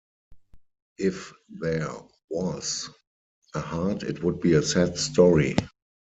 If there "was" a heart it would be a sad story.